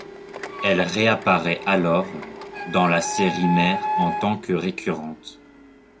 Elle réapparaît alors dans la série mère en tant que récurrente.